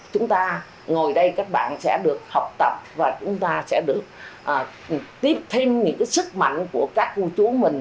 chúng ta ngồi đây các bạn sẽ được học tập và chúng ta sẽ được tiếp thêm những cái sức mạnh của các vua chú mình